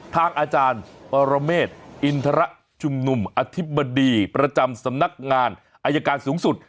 ทางอาจารย์ปรเมฆอินทรชุมนุมอธิบดีประจำสำนักงานอายการสูงสุด